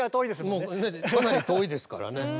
もうかなり遠いですからね。